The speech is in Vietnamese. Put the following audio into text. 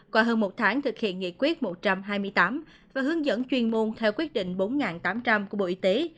qua hơn một tháng thực hiện nghị quyết một trăm hai mươi tám và hướng dẫn chuyên môn theo quyết định bốn tám trăm linh của bộ y tế